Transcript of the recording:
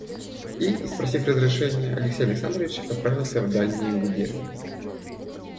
И, испросив разрешение, Алексей Александрович отправился в дальние губернии.